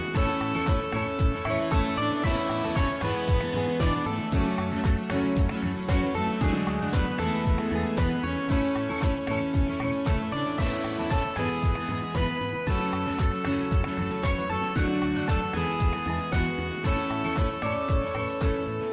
โปรดติดตามต่อไป